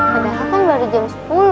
padahal kan baru jam sepuluh